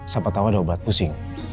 siapa tahu ada obat pusing